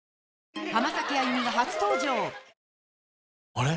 あれ？